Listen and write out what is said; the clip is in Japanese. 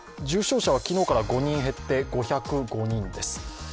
重症者は昨日から５人減って５０５人です。